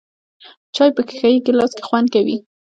چای په ښیښه یې ګیلاس کې خوند کوي .